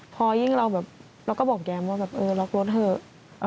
พอยิ่งเราก็บอกแก่มว่าล็อกรถเถอะ